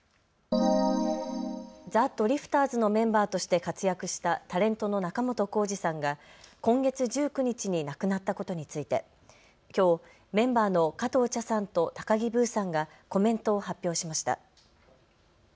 ザ・ドリフターズのメンバーとして活躍したタレントの仲本工事さんが今月１９日に亡くなったことについてきょうメンバーの加藤茶さんと高木ブーさんがコメントを発表しました。